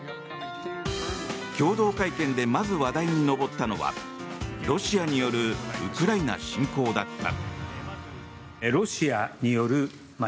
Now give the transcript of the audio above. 共同会見でまず話題に上ったのはロシアによるウクライナ侵攻だった。